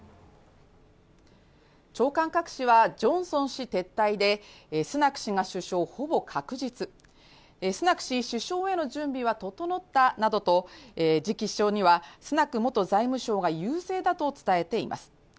朝刊各紙はジョンソン氏撤退でスナク氏が首相ほぼ確実、スナク氏、首相への準備は整ったなどと次期首相にはスナク元財務相が優勢だと伝えています。